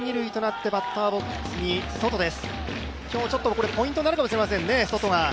今日、ソトがポイントになるかもしれませんね。